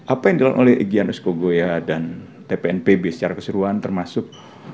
apa yang dilakukan oleh igyanus kogoya dan tpnpb secara keseluruhan termasuk